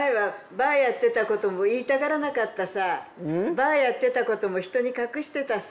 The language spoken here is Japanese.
バーやってたことも人に隠してたさ。